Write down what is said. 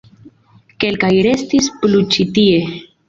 Kelkaj restis plu ĉi tie.